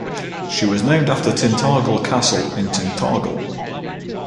She was named after Tintagel Castle in Tintagel.